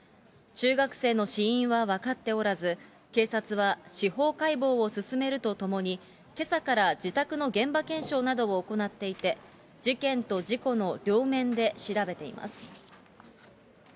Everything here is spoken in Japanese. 中学生の死因は分かっておらず、警察は司法解剖を進めるとともに、けさから自宅の現場検証などを行っていて、事件と事故の両面で調べています。